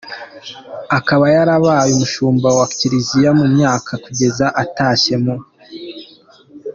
Akaba yarabaye umushumba wa Kiliziya mu myaka kugeza atashye mu .